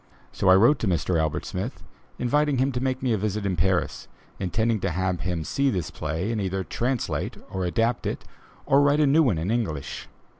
So I wrote to Mr. Albert Smith, inviting him to make me a visit in Paris, intending to have him see this play and either translate or adapt it, or write a new one in English.